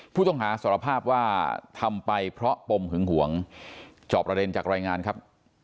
ผู้ต้องหาสารภาพว่าทำไปเพราะปมหึงหวงจอบประเด็นจากรายงานครับ